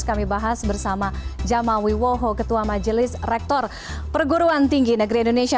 kami bahas bersama jamal wiwoho ketua majelis rektor perguruan tinggi negeri indonesia